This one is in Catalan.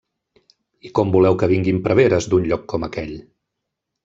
I com voleu que vinguin preveres d'un lloc com aquell?